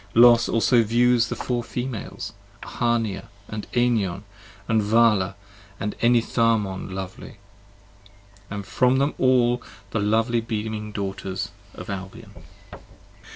Los also views the Four Females: 10 Ahania, and Enion, and Vala and Enitharmon lovely, And from them all the lovely beaming Daughters of Albion.